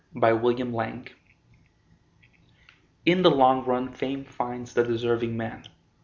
IN THE LONG RUN In the long run fame finds the deserving man.